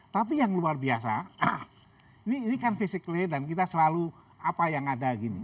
tapi yang luar biasa ini kan physically dan kita selalu apa yang ada gini